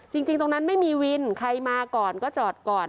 จริงตรงนั้นไม่มีวินใครมาก่อนก็จอดก่อน